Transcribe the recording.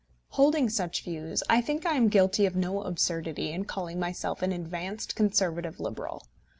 Holding such views, I think I am guilty of no absurdity in calling myself an advanced Conservative Liberal.